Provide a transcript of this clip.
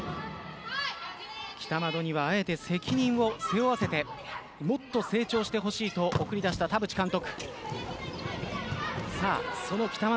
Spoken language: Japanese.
北窓にはあえて責任を背負わせてもっと成長してほしいと送り出した田渕監督。